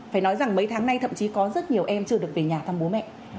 phải nói rằng mấy tháng nay thậm chí có rất nhiều em chưa được về nhà thăm bố mẹ